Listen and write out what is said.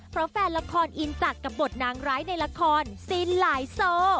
เพราะแฟนละครอินจัดกับบทนางร้ายในละครซินหลายโซ